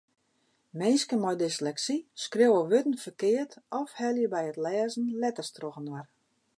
Minsken mei dysleksy skriuwe wurden ferkeard of helje by it lêzen letters trochinoar.